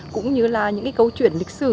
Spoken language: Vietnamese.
cũng như là những câu chuyện lịch sử